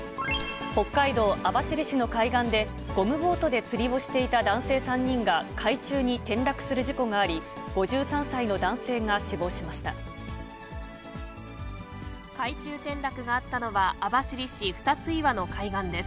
北海道網走市の海岸で、ゴムボートで釣りをしていた男性３人が海中に転落する事故があり、海中転落があったのは、網走市二ツ岩の海岸です。